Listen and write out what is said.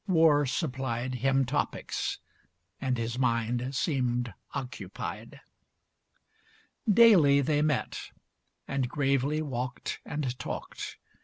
War supplied Him topics. And his mind seemed occupied. XLIII Daily they met. And gravely walked and talked.